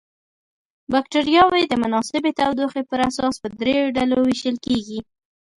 بکټریاوې د مناسبې تودوخې پر اساس په دریو ډلو ویشل کیږي.